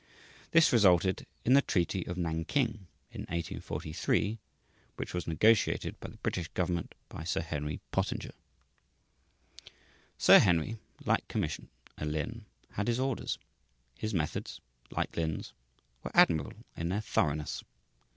This resulted in the treaty of Nanking, in 1843, which was negotiated by the British government by Sir Henry Pottinger. Sir Henry, like Commissioner Lin, had his orders. His methods, like Lin's, were admirable in their thoroughness.